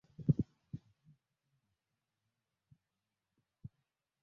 Akiwa msichana Rose Muhando alihudhuria madrasa